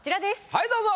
はいどうぞ。